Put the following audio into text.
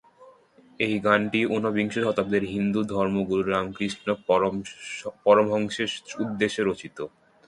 এই গানটি ঊনবিংশ শতাব্দীর হিন্দু ধর্মগুরু রামকৃষ্ণ পরমহংসের উদ্দেশ্যে রচিত।